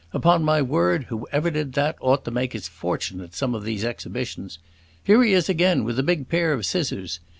Upon my word, whoever did that ought to make his fortune at some of these exhibitions. Here he is again, with a big pair of scissors.